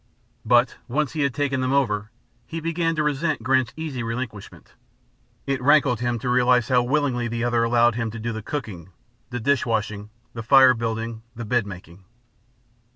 But, once he had taken them over, he began to resent Grant's easy relinquishment; it rankled him to realize how willingly the other allowed him to do the cooking, the dish washing, the fire building, the bed making.